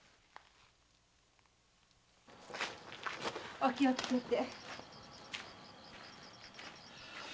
お気をつけて。